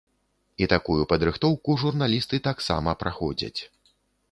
І такую падрыхтоўку журналісты таксама праходзяць.